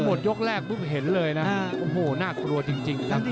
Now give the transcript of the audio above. หมดยกแรกปุ๊บเห็นเลยนะโอ้โหน่ากลัวจริงครับ